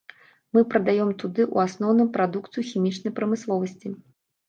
Мы прадаём туды ў асноўным прадукцыю хімічнай прамысловасці.